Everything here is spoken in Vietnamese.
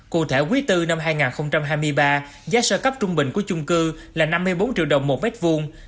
cụ thể quý tư năm hai nghìn hai mươi ba giá sơ cấp trung bình của chung cư là năm mươi bốn triệu đồng một mét vuông